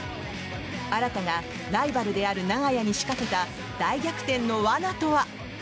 新がライバルである長屋に仕掛けた大逆転の罠とは？